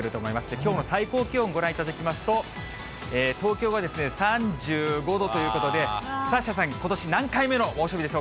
きょうの最高気温をご覧いただきますと、東京は３５度ということで、サッシャさん、３回目。